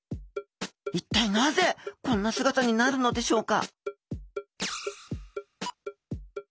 一体なぜこんな姿になるのでしょうか？